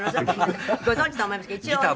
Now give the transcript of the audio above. ご存じと思いますけど、一応。